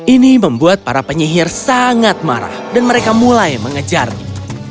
ini membuat para penyihir sangat marah dan mereka mulai mengejarnya